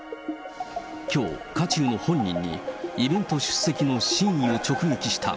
きょう、渦中の本人にイベント出席の真意を直撃した。